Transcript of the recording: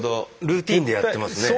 ルーティンでやってますね。